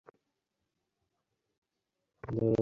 দূরদৃষ্টিতে অতীতের দিকে চাহিয়া দেখুন।